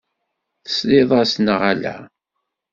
Tesliḍ-as, neɣ ala?